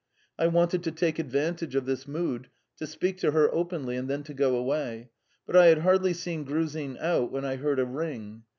I wanted to take advantage of this mood to speak to her openly and then to go away, but I had hardly seen Gruzin out when I heard a ring.